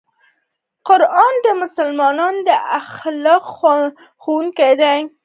قرآن د مسلمان د اخلاقو ښوونکی دی.